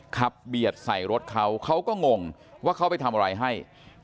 เบียดใส่รถเขาเขาก็งงว่าเขาไปทำอะไรให้